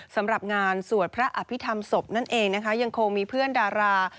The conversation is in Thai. สำหรับงานสวดพระอภิษฐรรมศพนั่นเองนะคะยังคงมีเพื่อนดารา